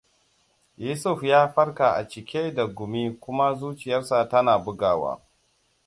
Yusuf ya farka a cike da gumi kuma zuciyarsa ta na bugawa.